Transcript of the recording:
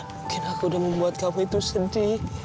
mungkin aku udah membuat kamu itu sedih